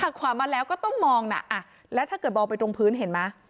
ขวามาแล้วก็ต้องมองน่ะแล้วถ้าเกิดมองไปตรงพื้นเห็นไหม